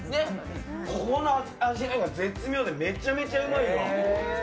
この味が絶妙でめちゃめちゃうまいわ。